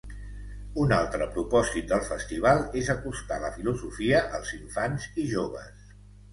Un altre propòsit del festival és acostar la filosofia als infants i joves.